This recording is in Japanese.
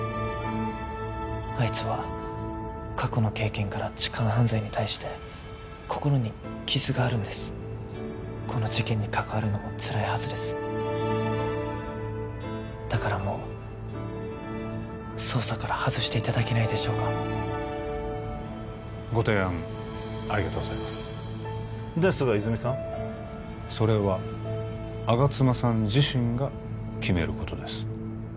あいつは過去の経験から痴漢犯罪に対して心に傷があるんですこの事件に関わるのもつらいはずですだからもう捜査から外していただけないでしょうかご提案ありがとうございますですが泉さんそれは吾妻さん自身が決めることです